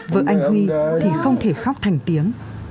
vợ anh huy thì không thể khóc thành tiếng